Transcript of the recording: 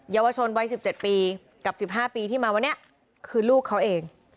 เยาวชนวัยสิบเจ็ดปีกับสิบห้าปีที่มาวันเนี้ยคือลูกเขาเอง